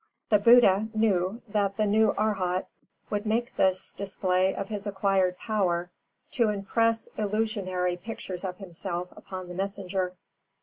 The Buddha knew that the new Arhat would make this display of his acquired power to impress illusionary pictures of himself upon the messenger.